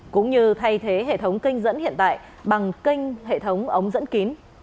cũng như thay thế hệ thống kênh dẫn hiện tại bằng kênh hệ thống ống dẫn kín